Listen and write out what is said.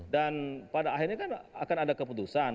dan pada akhirnya kan akan ada keputusan